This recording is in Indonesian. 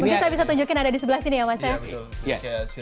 mungkin saya bisa tunjukin ada di sebelah sini ya mas ya